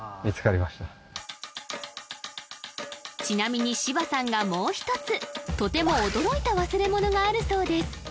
ちなみに芝さんがもう一つとても驚いた忘れ物があるそうです